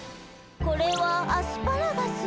「これはアスパラガス」